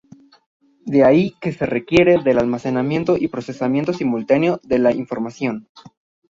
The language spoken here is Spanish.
De ahí que se requiera del almacenamiento y procesamiento simultáneo de la información.